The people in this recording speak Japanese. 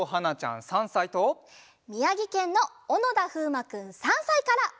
みやぎけんのおのだふうまくん３さいから。